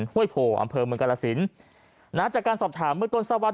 ห้วยโพอำเภอเมืองกาลสินนะจากการสอบถามเมื่อต้นทราบว่า